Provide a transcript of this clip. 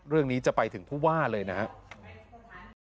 เรื่องนี้จะไปถึงผู้ว่าเลยนะครับ